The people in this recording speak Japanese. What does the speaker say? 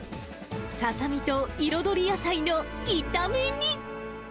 ササミと彩り野菜のいため煮。